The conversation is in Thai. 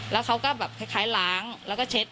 แล้วเขาก็แบบคล้ายล้างแล้วก็เช็ด